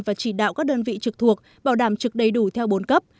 và chỉ đạo các đơn vị trực thuộc bảo đảm trực đầy đủ theo bốn cấp